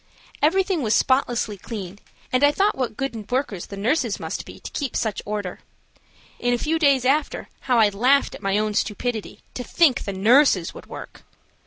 Everything was spotlessly clean and I thought what good workers the nurses must be to keep such order. In a few days after how I laughed at my own stupidity to think the nurses would work.